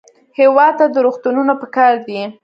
هېواد ته روغتونونه پکار دي